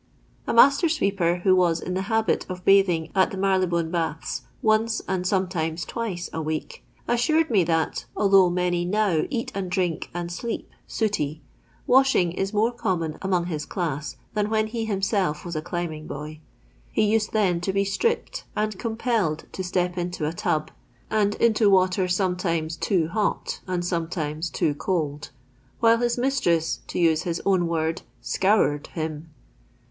A master sweeper, who was in the habit of bathing at the Marylebone baths once and some times twice a week, auured me that, although many now eat and drink and sleep sooty, wash ing is more common among his class than when he himself was a climbing boy. He used then to be stripped, and compelled to step into a tub, and into water sometimes too hot and sometimes too cold, while his mistress, to use his own word, Kourtd him.